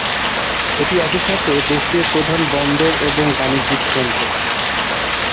এটি একই সাথে দেশটির প্রধান বন্দর এবং বাণিজ্যিক কেন্দ্র।